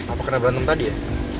apa kena berantem tadi ya